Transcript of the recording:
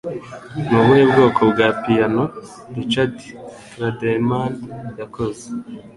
Ni ubuhe bwoko bwa Piyano Richard Claderman yakoze?